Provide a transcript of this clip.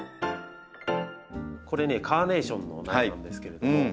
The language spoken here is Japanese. これねカーネーションの苗なんですけれども。